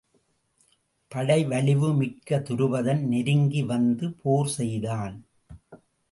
படை வலிவு மிக்க துருபதன் நெருங்கி வந்து போர் செய்தான்.